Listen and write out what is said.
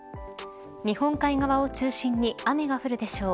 日本海側を中心に雨が降るでしょう。